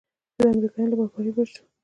چې د امريکايانو له بمبارۍ بچ سو.